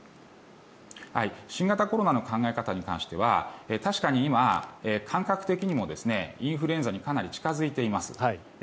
新型コロナの考え方に関しては確かに今、感覚的にもインフルエンザにかなり近付いています。